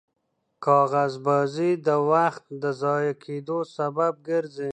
کاغذبازي د وخت د ضایع کېدو سبب ګرځي.